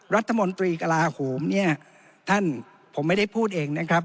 รัฐมนตรีกระลาโหมเนี่ยท่านผมไม่ได้พูดเองนะครับ